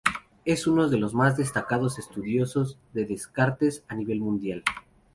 Es uno de los más destacados estudiosos de Descartes a nivel mundial.